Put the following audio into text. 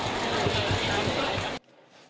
โดย